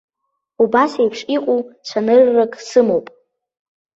Убас еиԥш иҟоу цәаныррак сымоуп.